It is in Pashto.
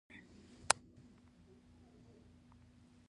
سهار د زړه سوله ده.